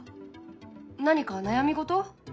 何か悩み事？